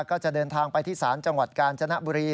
ก็จะเดินทางไปที่ศาลจังหวัดกาญจนบุรี